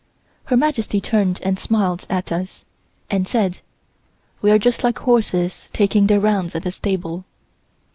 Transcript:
Her Majesty turned and smiled at us, and said: "We are just like horses taking their rounds at a stable."